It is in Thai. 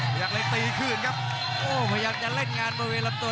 พยายามเล็กตีคืนครับโอ้โหพยายามจะเล่นงานมาเวลาตัว